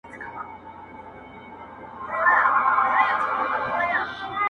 غر که هر څومره وي لوړ پر سر یې لار سته -